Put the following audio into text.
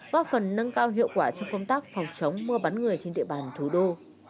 góp phần nâng cao hiệu quả trong công tác phòng chống mua bán người trên địa bàn thủ đô